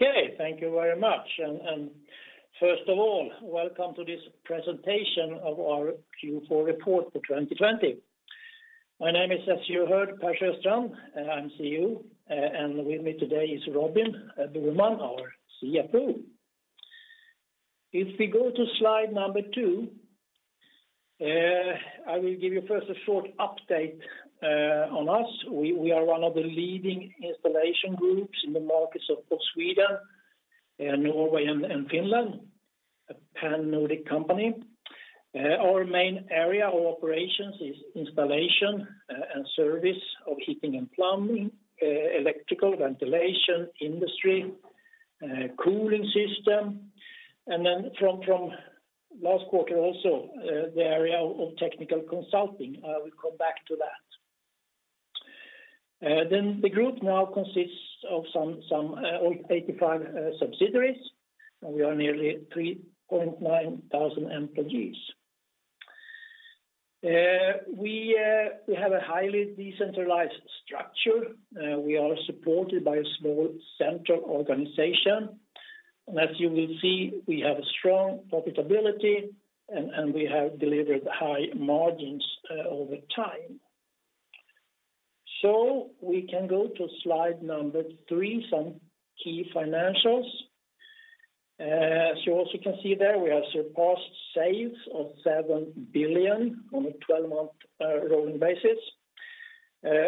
Okay, thank you very much. First of all, welcome to this presentation of our Q4 report for 2020. My name is, as you heard, Per Sjöstrand. I'm CEO, and with me today is Robin Boheman, our CFO. If we go to slide number two, I will give you first a short update on us. We are one of the leading installation groups in the markets of both Sweden, Norway, and Finland. A pan-Nordic company. Our main area of operations is installation and service of heating and plumbing, electrical ventilation, industry, cooling system, and then from last quarter also, the area of technical consulting. I will come back to that. The group now consists of some 85 subsidiaries, and we are nearly 3,900 employees. We have a highly decentralized structure. We are supported by a small central organization. As you will see, we have a strong profitability, and we have delivered high margins over time. We can go to slide number three, some key financials. As you also can see there, we have surpassed sales of 7 billion on a 12-month rolling basis,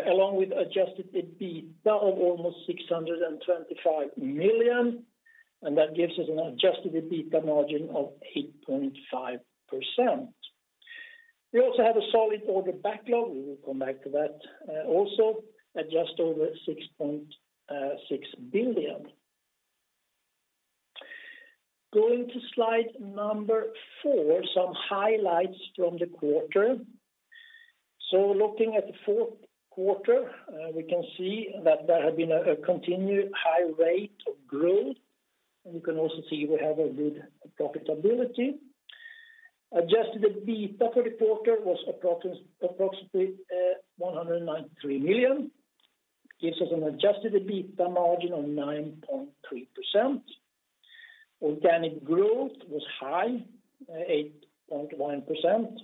along with adjusted EBITDA of almost 625 million, and that gives us an adjusted EBITDA margin of 8.5%. We also have a solid order backlog. We will come back to that also. At just over 6.6 billion. Going to slide number four, some highlights from the quarter. Looking at the fourth quarter, we can see that there has been a continued high rate of growth. You can also see we have a good profitability. Adjusted EBITDA for the quarter was approximately 193 million. Gives us an adjusted EBITDA margin of 9.3%. Organic growth was high, 8.1%,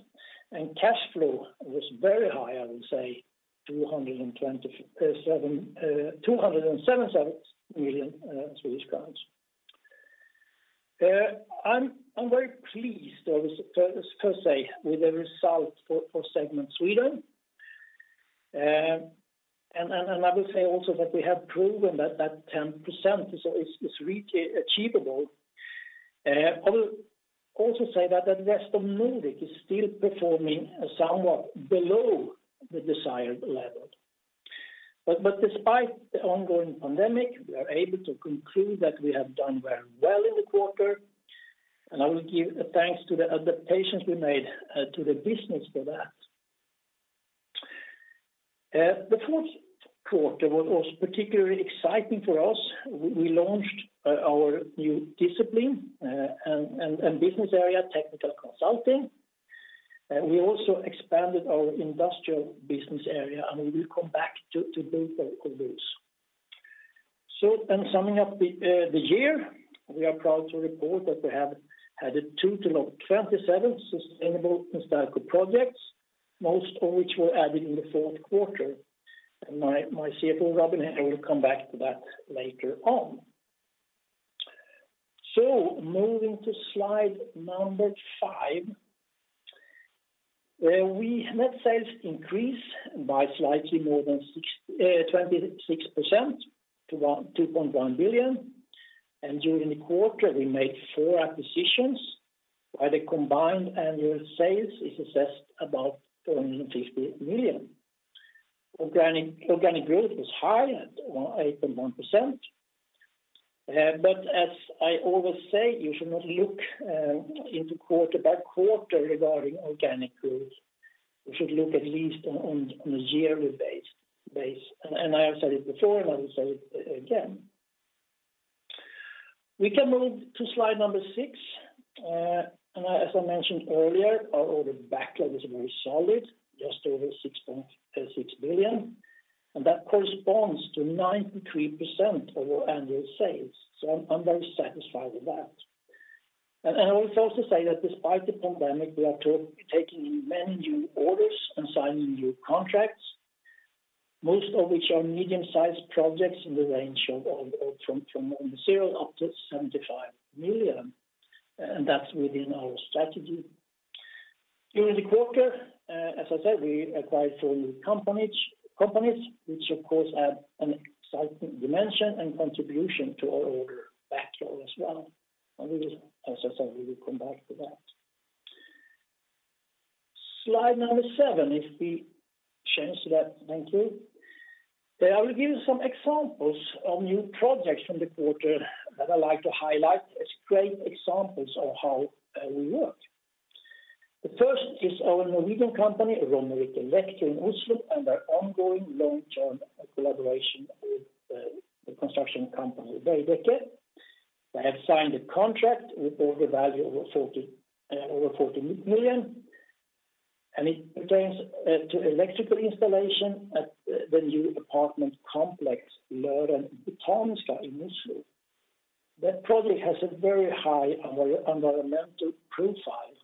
and cash flow was very high, I would say, 277 million Swedish crowns. I'm very pleased, I must first say, with the result for segment Sweden. I will say also that we have proven that 10% is really achievable. I will also say that the rest of Nordic is still performing somewhat below the desired level. Despite the ongoing pandemic, we are able to conclude that we have done very well in the quarter, and I will give thanks to the adaptations we made to the business for that. The fourth quarter was particularly exciting for us. We launched our new discipline and business area, technical consulting. We also expanded our Industrial business area, and we will come back to both of those. In summing up the year, we are proud to report that we have added a total of 27 Sustainable Instalco projects, most of which were added in the fourth quarter. My CFO, Robin, will come back to that later on. Moving to slide number five, where we net sales increase by slightly more than 26% to 2.1 billion. During the quarter, we made four acquisitions, where the combined annual sales is assessed above 450 million. Organic growth was high at 8.1%. As I always say, you should not look into quarter by quarter regarding organic growth. You should look at least on a yearly base. I have said it before, and I will say it again. We can move to slide number six. As I mentioned earlier, our order backlog is very solid, just over 6.6 billion, and that corresponds to 93% of our annual sales. I'm very satisfied with that. I will also say that despite the pandemic, we are taking in many new orders and signing new contracts, most of which are medium-sized projects in the range of from 0 up to 75 million. That's within our strategy. During the quarter, as I said, we acquired four new companies, which of course add an exciting dimension and contribution to our order backlog as well. As I said, we will come back to that. Slide number seven, if we change that. Thank you. I will give you some examples of new projects from the quarter that I like to highlight as great examples of how we work. The first is our Norwegian company, Romerike Elektro in Oslo, and our ongoing long-term collaboration with the construction company Veidekke. They have signed a contract with order value of over 40 million. It pertains to electrical installation at the new apartment complex, Løren Botaniske in Oslo. That project has a very high environmental profile,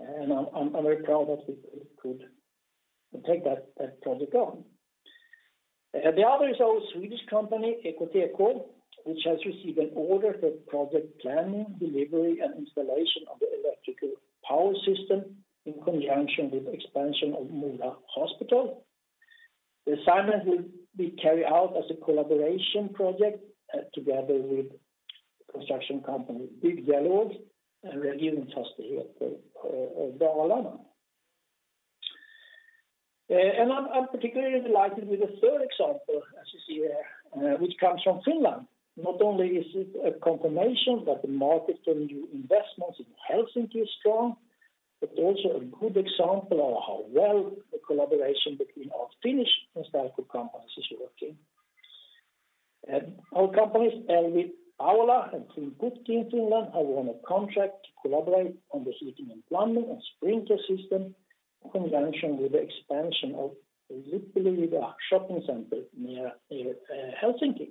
and I'm very proud that we could take that project on. The other is our Swedish company, Elkontakt, which has received an order for project planning, delivery, and installation of the electrical power system in conjunction with expansion of Mölndals sjukhus. The assignment will be carried out as a collaboration project together with construction company ByggDialog and Västfastigheter. I'm particularly delighted with the third example, as you see here, which comes from Finland. Not only is it a confirmation that the market for new investments in Helsinki is strong, but also a good example of how well the collaboration between our Finnish Instalco companies is working. Our companies, LVI-Urakointi Paavola and Twinputki in Finland, have won a contract to collaborate on the heating and plumbing and sprinkler system in conjunction with the expansion of Keilaniemi shopping center near Helsinki.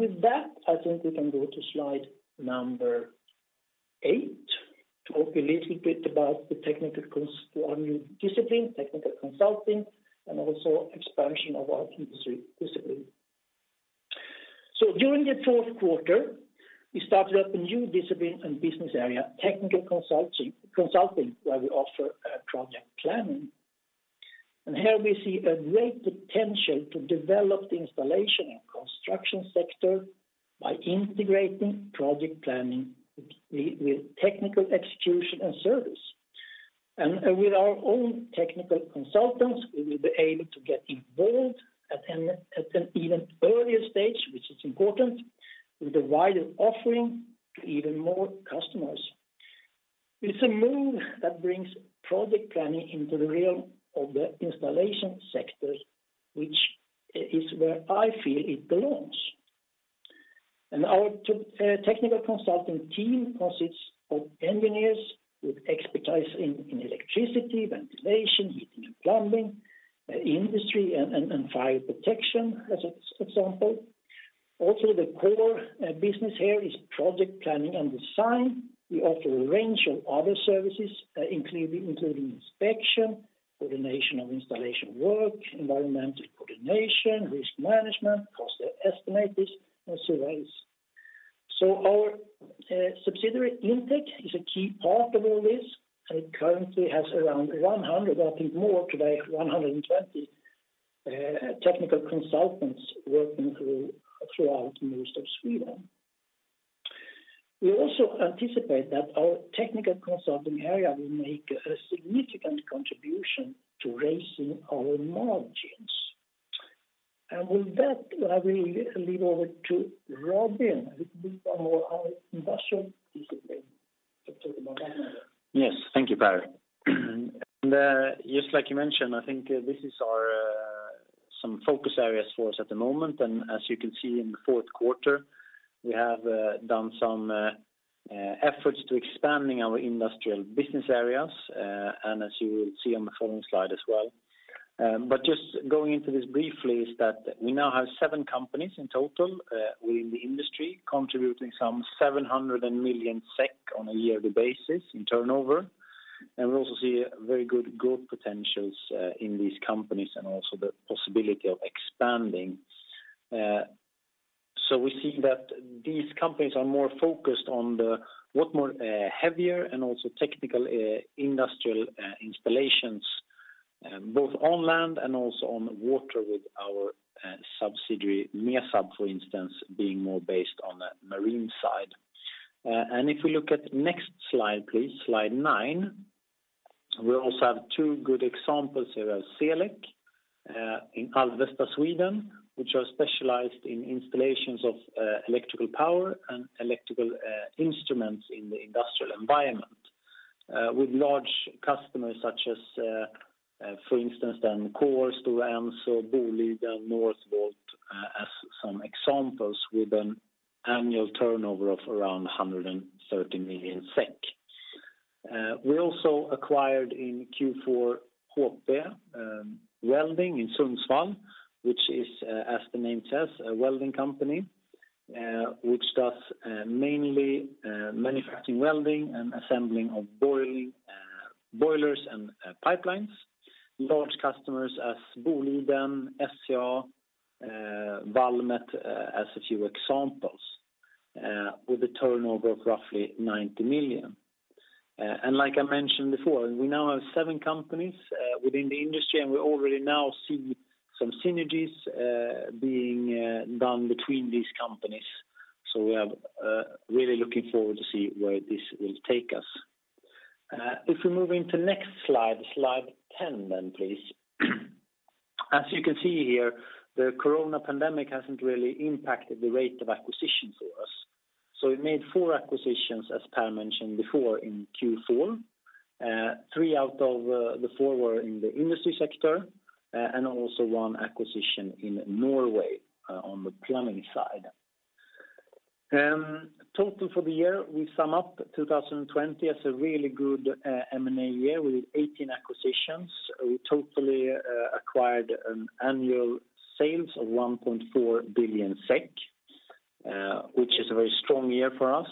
With that, I think we can go to slide number eight to talk a little bit about the technical discipline, technical consulting, and also expansion of our industry discipline. During the fourth quarter, we started up a new discipline and business area, technical consulting, where we offer project planning. Here we see a great potential to develop the installation and construction sector by integrating project planning with technical execution and service. With our own technical consultants, we will be able to get involved at an even earlier stage, which is important, with a wider offering to even more customers. It's a move that brings project planning into the realm of the installation sector, which is where I feel it belongs. Our technical consulting team consists of engineers with expertise in electricity, ventilation, heating and plumbing, industry, and fire protection, as an example. Also, the core business here is project planning and design. We offer a range of other services, including inspection, coordination of installation work, environmental coordination, risk management, cost estimates, and surveys. Our subsidiary Intec is a key part of all this, and it currently has around 100, I think more today, 120 technical consultants working throughout most of Sweden. We also anticipate that our technical consulting area will make a significant contribution to raising our margins. With that, I will hand over to Robin, a little bit on our industrial discipline to talk about that now. Yes. Thank you, Per. Just like you mentioned, I think this is some focus areas for us at the moment. As you can see in the fourth quarter, we have done some efforts to expanding our Industrial business areas, and as you will see on the following slide as well. Just going into this briefly is that we now have seven companies in total within the industry, contributing some 700 million SEK on a yearly basis in turnover. We also see very good growth potentials in these companies and also the possibility of expanding. We see that these companies are more focused on the much more heavier and also technical industrial installations, both on land and also on water with our subsidiary, Mesab, for instance, being more based on the marine side. If we look at next slide, please, slide nine. We also have two good examples here of Selek in Avesta, Sweden, which are specialized in installations of electrical power and electrical instruments in the industrial environment with large customers such as, for instance, then Coor, Stora Enso, Boliden, Northvolt as some examples, with an annual turnover of around 130 million SEK. We also acquired in Q4, HP Welding in Sundsvall, which is, as the name says, a welding company, which does mainly manufacturing welding and assembling of boilers and pipelines. Large customers as Boliden, SCA, Valmet as a few examples, with a turnover of roughly 90 million. Like I mentioned before, we now have seven companies within the industry, and we already now see some synergies being done between these companies. We are really looking forward to see where this will take us. If we move into next slide 10 then, please. As you can see here, the coronavirus pandemic hasn't really impacted the rate of acquisition for us. We made four acquisitions, as Per mentioned before, in Q4. Three out of the four were in the industry sector, and also one acquisition in Norway on the plumbing side. Total for the year, we sum up 2020 as a really good M&A year. We did 18 acquisitions. We totally acquired an annual sales of 1.4 billion SEK, which is a very strong year for us.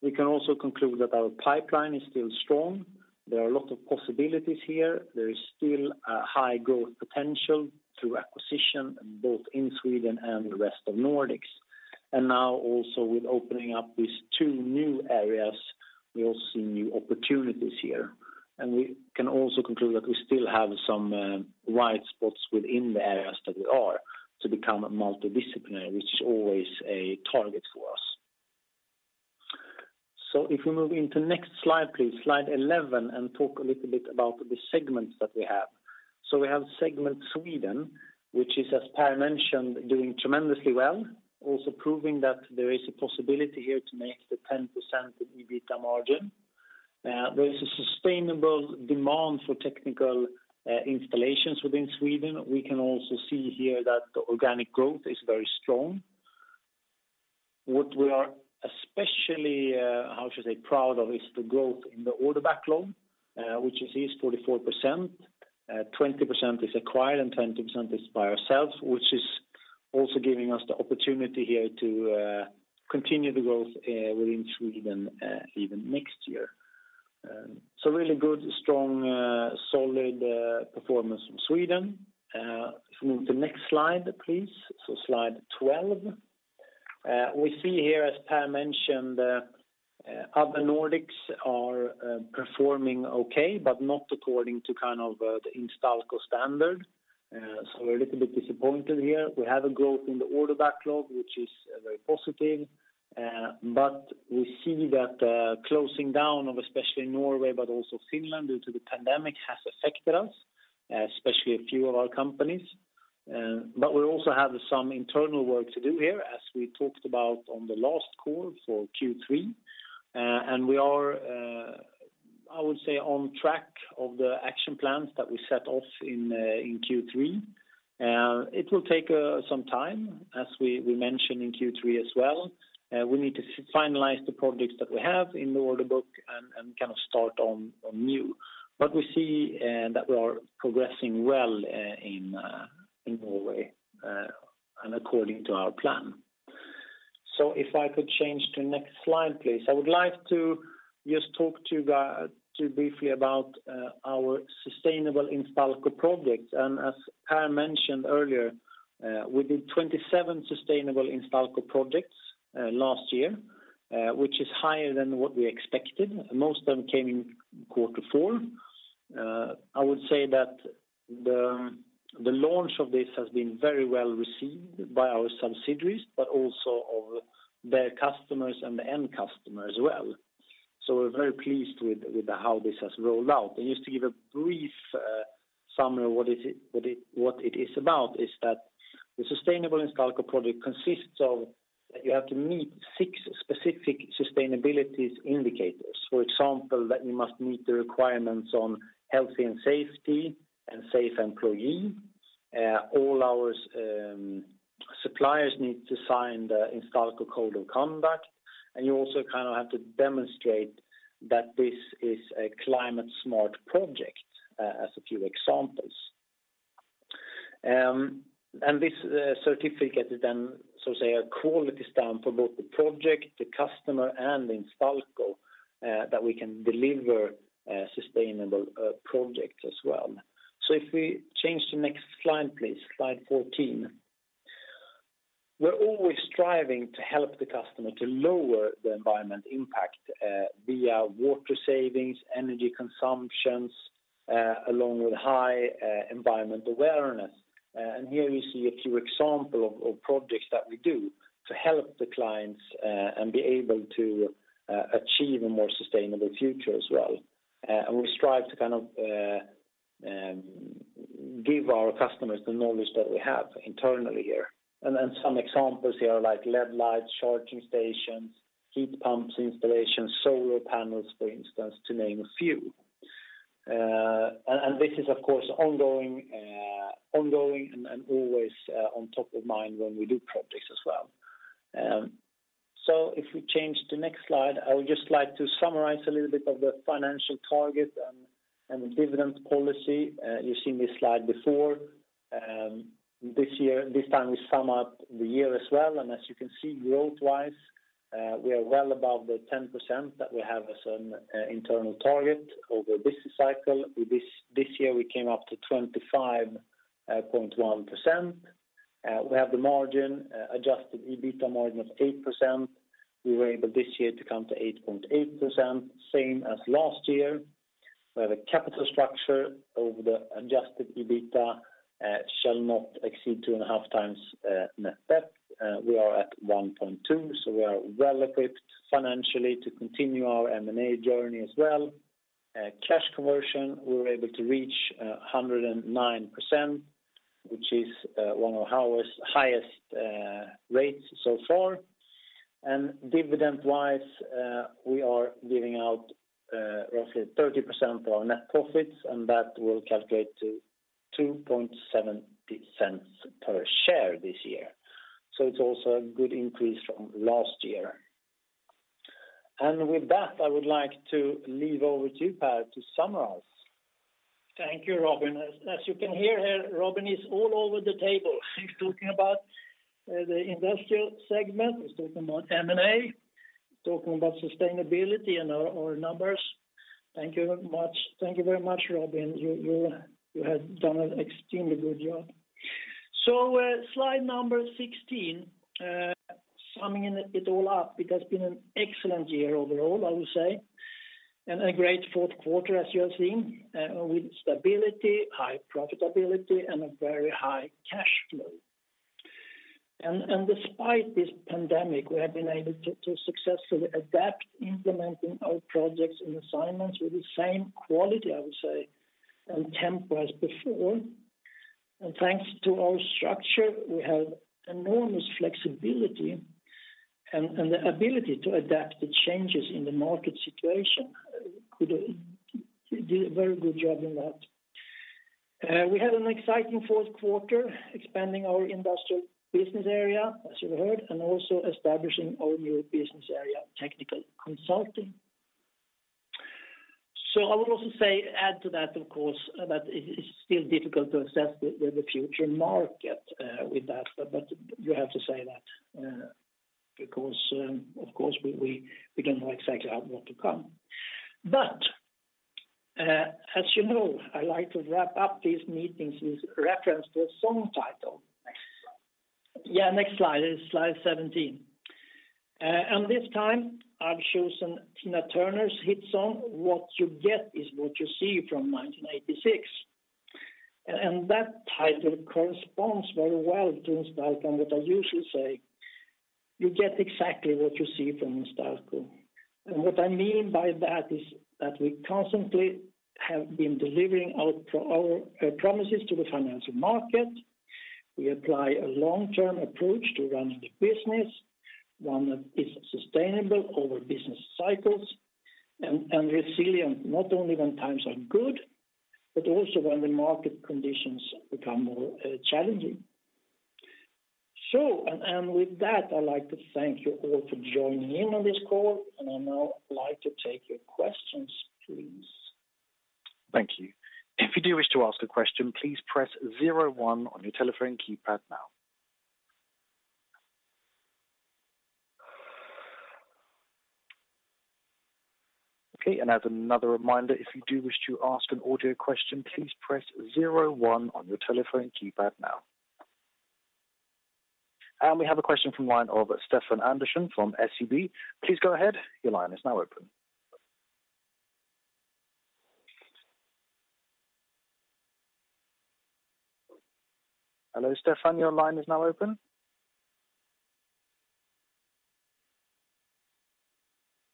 We can also conclude that our pipeline is still strong. There are a lot of possibilities here. There is still a high growth potential through acquisition, both in Sweden and the rest of Nordics. Now also with opening up these two new areas, we all see new opportunities here. We can also conclude that we still have some white spots within the areas that we are to become multidisciplinary, which is always a target for us. If we move into next slide, please, slide 11, and talk a little bit about the segments that we have. We have segment Sweden, which is, as Per mentioned, doing tremendously well, also proving that there is a possibility here to make the 10% in EBITDA margin. There is a sustainable demand for technical installations within Sweden. We can also see here that the organic growth is very strong. What we are especially, how should I say, proud of is the growth in the order backlog, which you see is 44%. 20% is acquired and 20% is by ourselves, which is also giving us the opportunity here to continue the growth within Sweden even next year. Really good, strong, solid performance from Sweden. If we move to next slide, please. Slide 12. We see here, as Per mentioned, other Nordics are performing okay, but not according to the Instalco standard. We're a little bit disappointed here. We have a growth in the order backlog, which is very positive. We see that closing down of especially Norway, but also Finland due to the pandemic has affected us, especially a few of our companies. We also have some internal work to do here as we talked about on the last call for Q3. We are, I would say, on track of the action plans that we set off in Q3. It will take some time, as we mentioned in Q3 as well. We need to finalize the projects that we have in the order book and kind of start on new. We see that we are progressing well in Norway, and according to our plan. If I could change to next slide, please. I would like to just talk to you guys too briefly about our Sustainable Instalco projects. As Per mentioned earlier, we did 27 Sustainable Instalco projects last year, which is higher than what we expected. Most of them came in quarter four. I would say that the launch of this has been very well received by our subsidiaries, but also of their customers and the end customer as well. We're very pleased with how this has rolled out. Just to give a brief summary of what it is about is that the sustainable Instalco project consists of that you have to meet six specific sustainability indicators. For example, that you must meet the requirements on health and safety and safe employee. All our suppliers need to sign the Instalco Code of Conduct, and you also have to demonstrate that this is a climate-smart project, as a few examples. This certificate is then, so to say, a quality stamp for both the project, the customer, and Instalco, that we can deliver sustainable projects as well. If we change to next slide, please, slide 14. We're always striving to help the customer to lower the environment impact via water savings, energy consumptions, along with high environment awareness. Here you see a few example of projects that we do to help the clients, and be able to achieve a more sustainable future as well. We strive to give our customers the knowledge that we have internally here. Some examples here are like LED lights, charging stations, heat pumps installations, solar panels, for instance, to name a few. This is, of course, ongoing and always on top of mind when we do projects as well. If we change to next slide, I would just like to summarize a little bit of the financial target and the dividend policy. You've seen this slide before. This time we sum up the year as well, and as you can see, growth-wise, we are well above the 10% that we have as an internal target over this cycle. This year, we came up to 25.1%. We have the margin, adjusted EBITDA margin of 8%. We were able this year to come to 8.8%, same as last year, where the capital structure over the adjusted EBITDA shall not exceed 2.5x Net debt. We are at 1.2, so we are well equipped financially to continue our M&A journey as well. Cash conversion, we were able to reach 109%, which is one of our highest rates so far. Dividend-wise, we are giving out roughly 30% of our net profits, and that will calculate to 2.70 per share this year. It's also a good increase from last year. With that, I would like to leave over to you, Per, to summarize. Thank you, Robin. As you can hear here, Robin is all over the table. He's talking about the industrial segment, he's talking about M&A, talking about sustainability and our numbers. Thank you very much, Robin. You have done an extremely good job. Slide number 16, summing it all up, it has been an excellent year overall, I would say, and a great fourth quarter, as you have seen, with stability, high profitability, and a very high cash flow. Despite this pandemic, we have been able to successfully adapt, implementing our projects and assignments with the same quality, I would say, and tempo as before. Thanks to our structure, we have enormous flexibility and the ability to adapt to changes in the market situation. We did a very good job in that. We had an exciting fourth quarter expanding our Industrial business area, as you heard, and also establishing our new business area, Technical Consulting. I would also add to that, of course, that it is still difficult to assess the future market with that. You have to say that because, of course, we don't know exactly what to come. As you know, I like to wrap up these meetings with reference to a song title. Next slide. Yeah, next slide. It's slide 17. This time, I've chosen Tina Turner's hit song, "What You Get Is What You See," from 1986. That title corresponds very well to Instalco and what I usually say. You get exactly what you see from Instalco. What I mean by that is that we constantly have been delivering our promises to the financial market. We apply a long-term approach to running the business, one that is sustainable over business cycles, and resilient not only when times are good, but also when the market conditions become more challenging. With that, I'd like to thank you all for joining in on this call, and I now like to take your questions, please. Thank you. We have a question from the line of Stefan Andersson from SEB. Please go ahead. Your line is now open. Hello, Stefan, your line is now open.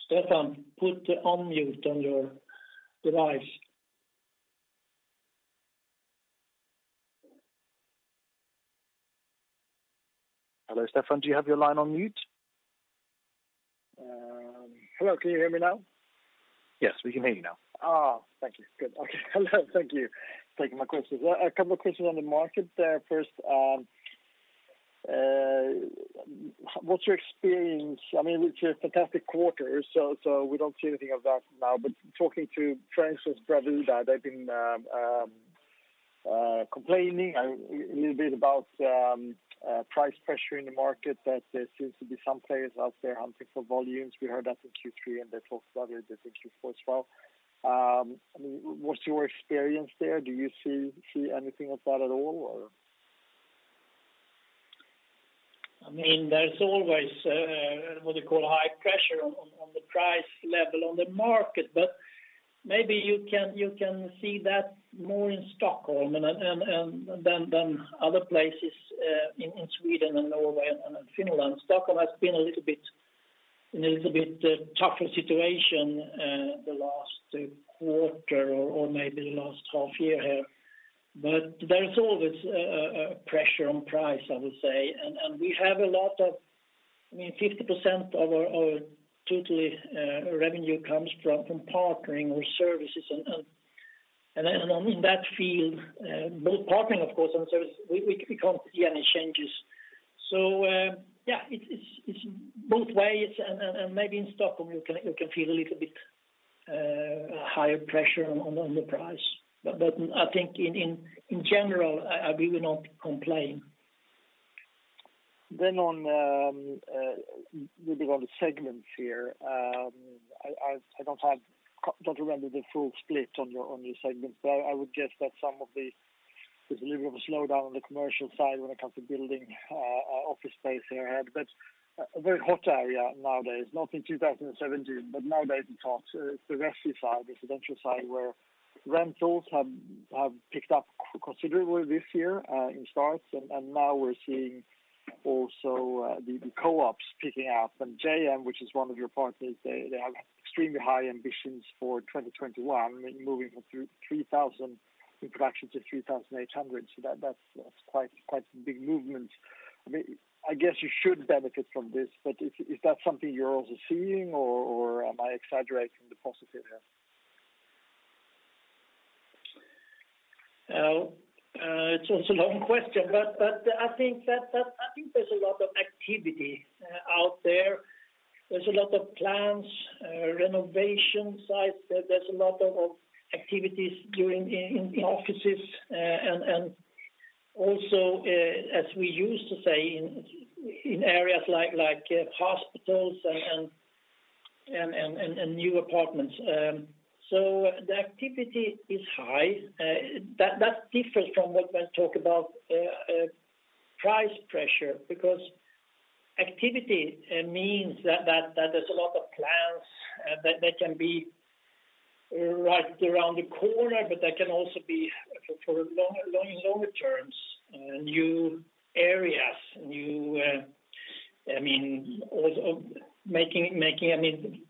Stefan, put unmute on your device. Hello, Stefan. Do you have your line on mute? Hello, can you hear me now? Yes, we can hear you now. Oh, thank you. Good. Okay. Hello, thank you. Taking my questions. A couple of questions on the market there. First, what's your experience? It's a fantastic quarter. We don't see anything of that now. Talking to friends with Bravida, they've been complaining a little bit about price pressure in the market, that there seems to be some players out there hunting for volumes. We heard that in Q3. They talk about it in Q4 as well. What's your experience there? Do you see anything of that at all? There's always, what you call, high pressure on the price level on the market. Maybe you can see that more in Stockholm than other places in Sweden and Norway and Finland. Stockholm has been in a little bit tougher situation the last quarter or maybe the last half year here. There's always pressure on price, I would say. 50% of our total revenue comes from partnering or services, and in that field both partnering, of course, and service, we can't see any changes. Yeah, it's both ways, and maybe in Stockholm you can feel a little bit higher pressure on the price. I think in general, we will not complain. A little bit on the segments here. I don't remember the full split on your segments there. I would guess that some of the little of a slowdown on the commercial side when it comes to building office space there, but a very hot area nowadays, not in 2017, but nowadays in talks. The residential side, where rentals have picked up considerably this year in starts, and now we're seeing also the co-ops picking up. JM, which is one of your partners, they have extremely high ambitions for 2021, moving from 3,000 in production to 3,800. That's quite a big movement. I guess you should benefit from this, but is that something you're also seeing or am I exaggerating the positive here? It's also a long question. I think there's a lot of activity out there. There's a lot of plans, renovation sites, there's a lot of activities in offices and also, as we used to say, in areas like hospitals and new apartments. The activity is high. That's different from when we talk about price pressure, because activity means that there's a lot of plans that can be right around the corner, but that can also be for longer terms, new areas.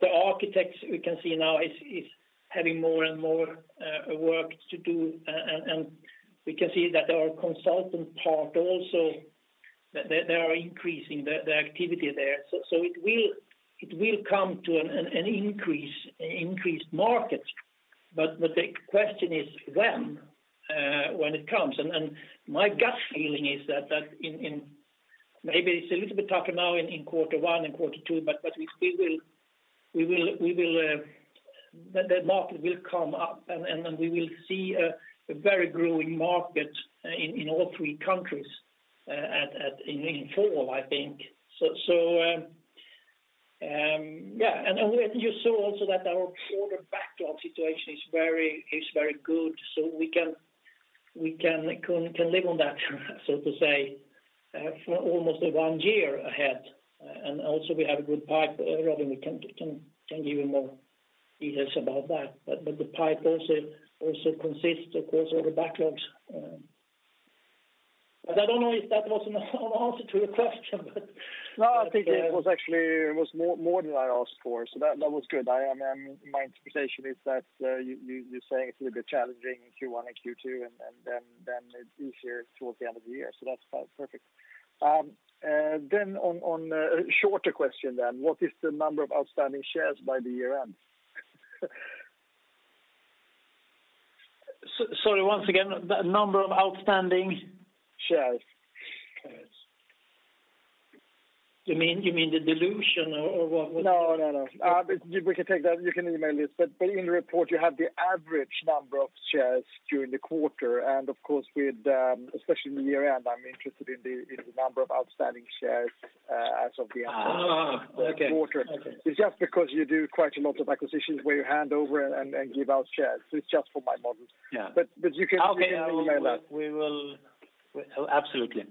The architects we can see now is having more and more work to do. We can see that our consultant part also, they are increasing the activity there. It will come to an increased market. The question is when it comes, and my gut feeling is that maybe it's a little bit tougher now in quarter one and quarter two, but the market will come up, and we will see a very growing market in all three countries in fall, I think. You saw also that our order backlog situation is very good, so we can live on that, so to say, for almost one year ahead. Also we have a good pipe. Robin can give you more details about that. The pipe also consists, of course, of the backlogs. I don't know if that was an answer to your question. No, I think it was actually more than I asked for, so that was good. My interpretation is that you're saying it's a little bit challenging in Q1 and Q2, and then it's easier towards the end of the year. That's perfect. A shorter question then, what is the number of outstanding shares by the year-end? Sorry, once again, the number of outstanding? Shares. Shares. You mean the dilution, or what was it? No. You can email this, but in the report, you have the average number of shares during the quarter, and of course, especially in the year-end, I'm interested in the number of outstanding shares as of the end- Okay. of the quarter. It's just because you do quite a lot of acquisitions where you hand over and give out shares. It's just for my models. Yeah. But you can- Okay email that. Absolutely.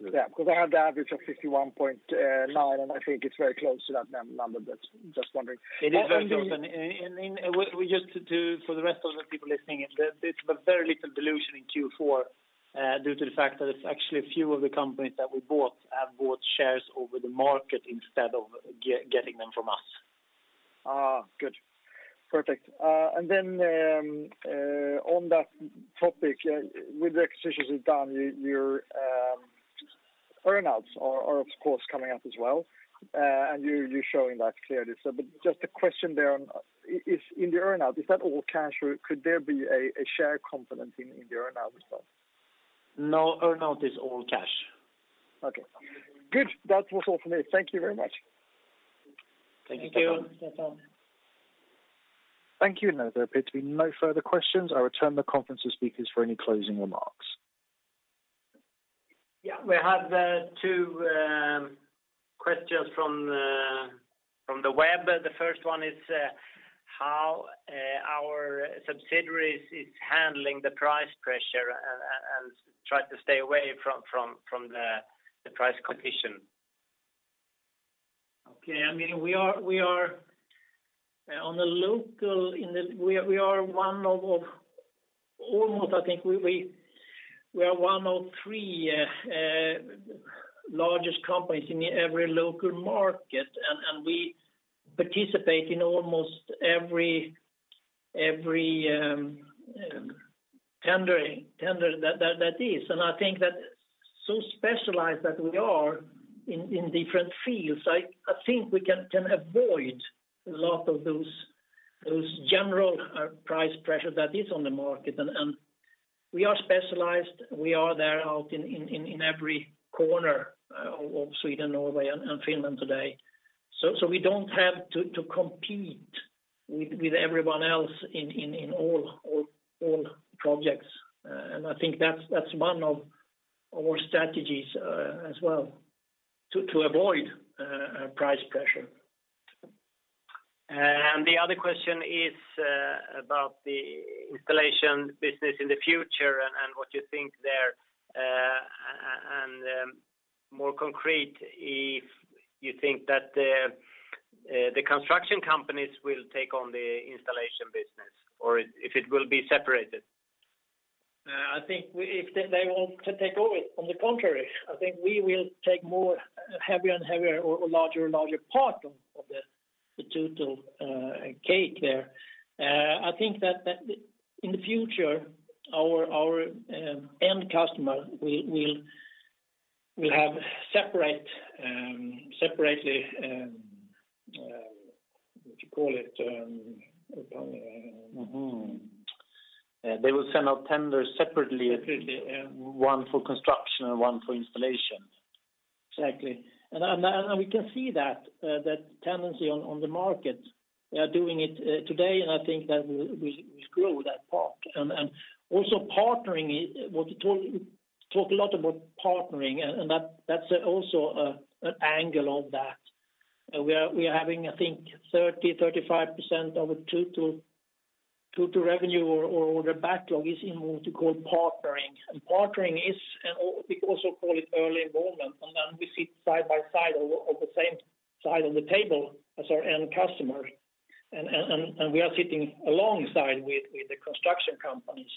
Yeah, because I have the average of 51.9, and I think it's very close to that number, but just wondering. It is very close, and just for the rest of the people listening in, there's been very little dilution in Q4 due to the fact that it's actually a few of the companies that we bought have bought shares over the market instead of getting them from us. Good. Perfect. Then on that topic, with the acquisitions you've done, your earn-outs are of course coming up as well, and you're showing that clearly. Just a question there, in the earn-out, is that all cash or could there be a share component in the earn-out as well? Earn-out is all cash. Okay. Good. That was all from me. Thank you very much. Thank you. Thank you. That's all. Thank you. Now there appear to be no further questions. I return the conference to speakers for any closing remarks. Yeah, we have two questions from the web. The first one is how our subsidiaries is handling the price pressure and try to stay away from the price competition. Okay. On a local, I think we are one of three largest companies in every local market, and we participate in almost every tendering that is. I think that so specialized that we are in different fields, I think we can avoid a lot of those general price pressures that is on the market. We are specialized, we are there out in every corner of Sweden, Norway, and Finland today. We don't have to compete with everyone else in all projects. I think that's one of our strategies as well, to avoid price pressure. The other question is about the installation business in the future and what you think there, and more concrete, if you think that the construction companies will take on the installation business or if it will be separated. If they want to take over it. On the contrary, I think we will take a heavier and heavier or larger and larger part of the total cake there. I think that in the future, our end customer will have separately, what you call it? They will send out tenders separately. Separately, yeah. One for construction and one for installation. Exactly. We can see that tendency on the market. They are doing it today, and I think that we grow that part. Also partnering, we talk a lot about partnering, and that's also an angle of that. We are having, I think 30%, 35% of total revenue or the backlog is in what you call partnering. Partnering is, we also call it early involvement, then we sit side by side or the same side of the table as our end customer, and we are sitting alongside with the construction companies.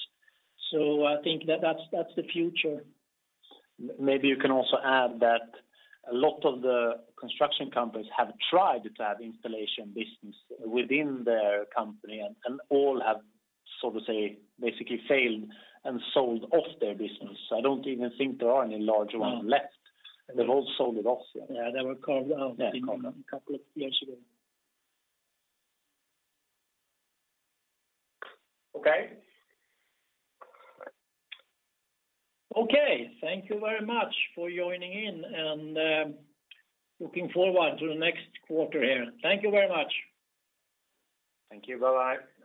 I think that's the future. Maybe you can also add that a lot of the construction companies have tried to have installation business within their company, and all have, so to say, basically failed and sold off their business. I don't even think there are any large ones left. They've all sold it off. Yeah, they were carved out a couple of years ago. Okay. Okay, thank you very much for joining in, and looking forward to the next quarter here. Thank you very much. Thank you. Bye-bye. Bye.